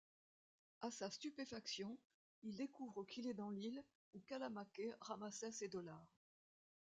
À sa stupéfaction, il découvre qu'il est dans l'île où Kalamake ramassait ses dollars.